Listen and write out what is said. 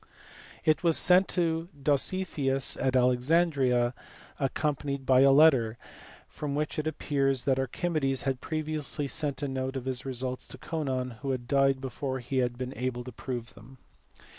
It was sent toDositheus at Alexandria accom panied by a letter, from which it appears that Archimedes had previously sent a note of his results to Conon, who had died before he had been able to prove them.